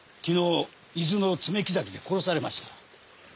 昨日伊豆の爪木崎で殺されました。